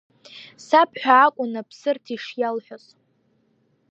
Саб ҳәа акәын Аԥсырҭ ишиалҳәоз.